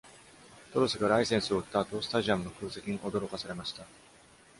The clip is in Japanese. トロスがライセンスを売ったあと、スタジアムの空席に驚かされました。